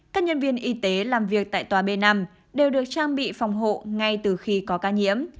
các nhân viên y tế làm việc tại tòa b năm đều được trang bị phòng hộ ngay từ khi có ca nhiễm